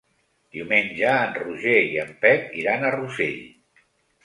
Diumenge en Roger i en Pep iran a Rossell.